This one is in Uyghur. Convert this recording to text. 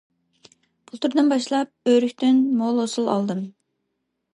بۇلتۇردىن باشلاپ ئۆرۈكتىن مول ھوسۇل ئالدىم.